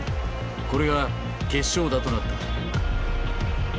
これが決勝打となった。